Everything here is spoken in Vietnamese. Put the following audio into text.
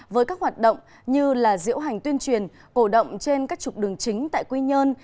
với các hoạt động như diễu hành tuyên truyền cổ động trên các trục đường chính tại quy nhơn